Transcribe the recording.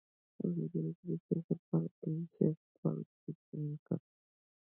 ازادي راډیو د سیاست په اړه د سیاستوالو دریځ بیان کړی.